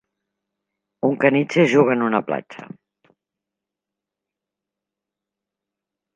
un caniche juga en una platja